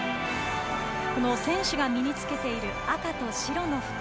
選手が身につけている赤と白の服。